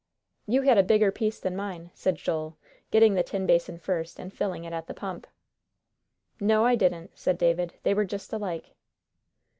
"You had a bigger piece than mine," said Joel, getting the tin basin first, and filling it at the pump. "No, I didn't," said David; "they were just alike."